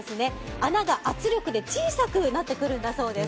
穴が圧力で小さくなってくるんだそうです。